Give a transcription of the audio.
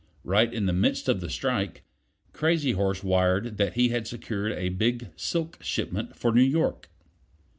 Right in the midst of the strike Crazy horse wired that he had secured a big silk shipment for New York.